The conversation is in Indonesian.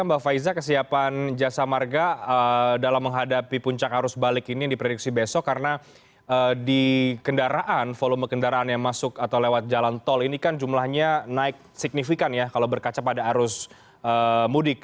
mbak faiza kesiapan jasa marga dalam menghadapi puncak arus balik ini diprediksi besok karena di kendaraan volume kendaraan yang masuk atau lewat jalan tol ini kan jumlahnya naik signifikan ya kalau berkaca pada arus mudik